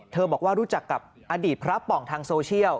บอกว่ารู้จักกับอดีตพระป่องทางโซเชียล